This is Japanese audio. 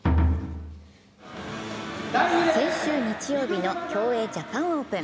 先週日曜日の競泳ジャパンオープン。